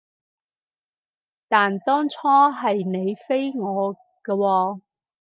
但當初係你飛我㗎喎